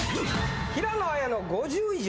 平野綾の５０以上。